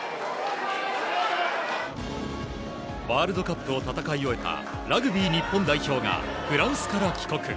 ワールドカップを戦い終えたラグビー日本代表がフランスから帰国。